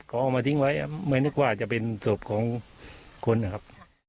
เขาเอามาทิ้งไว้ไม่นึกว่าจะเป็นศพของคนนะครับ